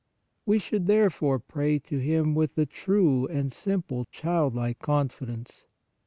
We should, there fore, pray to Him with a true and simple, childlike confidence.